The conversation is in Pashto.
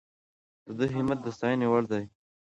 د ده همت د ستاینې وړ دی.